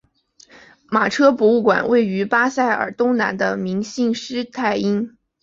马车博物馆位于巴塞尔东南的明兴施泰因。